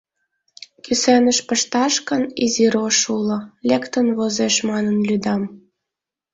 Кӱсеныш пышташ гын, изи рож уло, лектын возеш манын лӱдам.